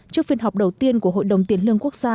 trước phiên họp đầu tiên của hội đồng tiền lương quốc gia